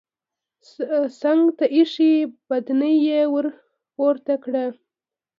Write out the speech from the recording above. څنګ ته ايښی بدنۍ يې ورپورته کړه.